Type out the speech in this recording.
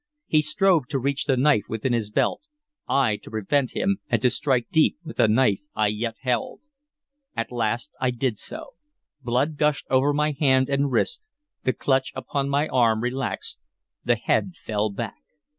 He strove to reach the knife within his belt; I, to prevent him, and to strike deep with the knife I yet held. At last I did so. Blood gushed over my hand and wrist, the clutch upon my arm relaxed, the head fell back.